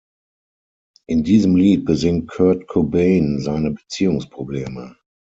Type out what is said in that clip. In diesem Lied besingt Kurt Cobain seine Beziehungsprobleme.